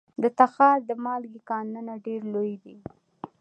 د تخار د مالګې کانونه ډیر لوی دي